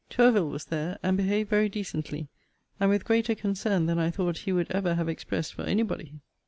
Tourville was there; and behaved very decently, and with greater concern than I thought he would ever have expressed for any body.